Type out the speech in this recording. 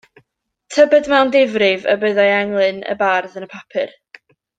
Tybed mewn difrif y byddai englyn y bardd yn y papur.